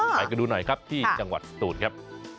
ไปดูหน่อยครับที่จังหวัดสตูนครับ